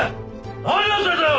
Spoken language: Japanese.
何やってんだよ！